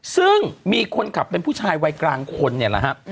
ซึ่งมีคนขับเป็นผู้ชายวัยกลางคนเนี่ยแหละฮะ